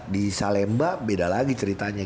di salemba beda lagi ceritanya